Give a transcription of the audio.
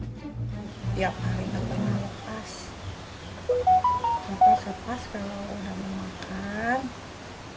untuk lepas kalau sudah mau makan